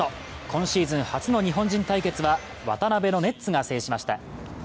今シーズン初の日本人対決は渡邊のネッツが制しました。